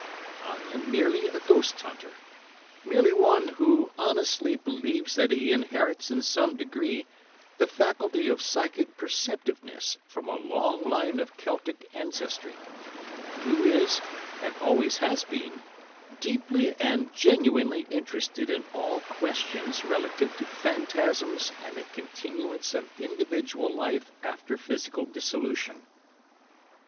I am merely a ghost hunter; merely one who honestly believes that he inherits in some degree the faculty of psychic perceptiveness from a long line of Celtic ancestry; and who is, and always has been, deeply and genuinely interested in all questions relative to phantasms and a continuance of individual life after physical dissolution.